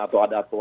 atau ada apa